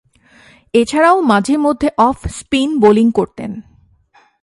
এছাড়াও মাঝে-মধ্যে off spin bowling করতেন।